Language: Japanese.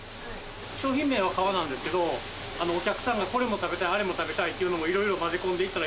商品名は「かわ」なんですけどお客さんがこれも食べたいあれも食べたいっていうのを色々混ぜ込んでいったら。